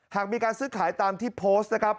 หากมีการซื้อขายตามที่โพสต์นะครับ